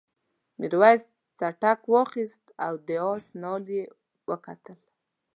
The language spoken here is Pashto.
میرويس څټک واخیست او د آس نال یې وکتل.